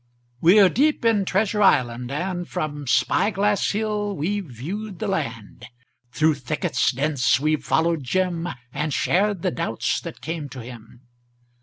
We're deep in Treasure Island, and From Spy Glass Hill we've viewed the land; Through thickets dense we've followed Jim And shared the doubts that came to him.